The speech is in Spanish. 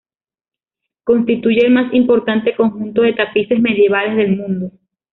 Constituye el más importante conjunto de tapices medievales del mundo.